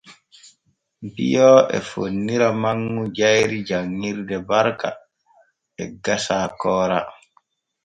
Bio e fonnira manŋu jayri janŋirde Barka e gasa Koora.